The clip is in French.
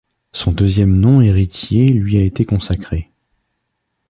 Son deuxième nom Héritier lui a été consacré.